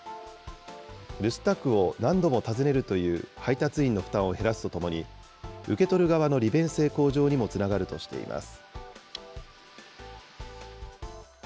留守宅を何度も訪ねるという配達員の負担を減らすとともに、受け取る側の利便性向上にもつながるとしています。